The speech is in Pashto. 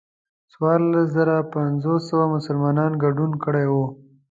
څوارلس زره پنځه سوه مسلمانانو ګډون کړی و.